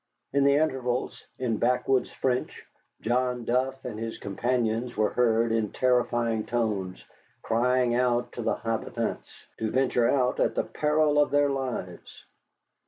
In the intervals, in backwoods French, John Duff and his companions were heard in terrifying tones crying out to the habitans to venture out at the peril of their lives.